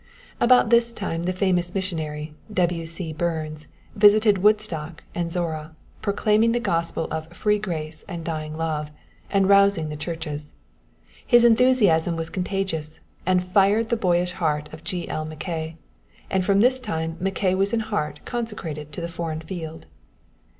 About this time the famous missionary, W. C. Burns, visited Woodstock and Zorra, proclaiming the gospel of "free grace and dying love," and rousing the churches. His enthusiasm was contagious, and fired the boyish heart of G. L. Mackay, and from this time Mackay was in heart consecrated to the foreign field.